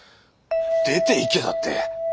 出ていけだって？